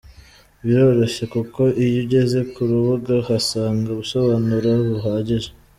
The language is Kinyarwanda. Biroroshye kuko iyo ugeze ku rubuga uhasanga ubusobanuro buhagije.